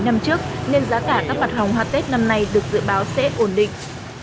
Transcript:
năm trước nên giá cả các hoạt hồng hoa tết năm nay được dự báo sẽ ổn định